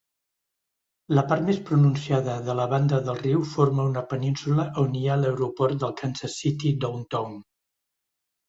La part més pronunciada de la banda del riu forma una península on hi ha l'aeroport del Kansas City Downtown.